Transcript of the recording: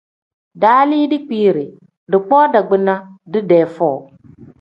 Daalii dikpiiri, dikpoo dagbina didee foo.